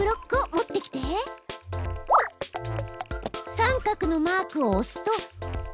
三角のマークをおすと。